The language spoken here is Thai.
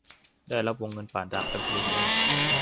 ได้รับวงเงินผ่านทางแอปพลิเคชัน